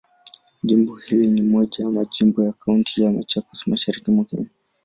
Jimbo hili ni moja ya majimbo ya Kaunti ya Machakos, Mashariki mwa Kenya.